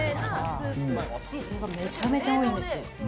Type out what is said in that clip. それがめちゃめちゃ多いんですよ。